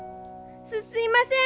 すすいません。